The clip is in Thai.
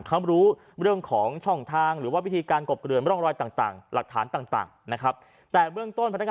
เขารู้เรื่องของช่องทางในวิธีการกบเกลือน